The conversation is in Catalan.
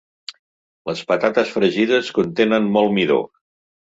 Les patates fregides contenent molt midó.